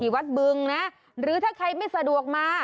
วัดบึงนะหรือถ้าใครไม่สะดวกมา